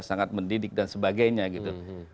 sangat mendidik dan sebagainya gitu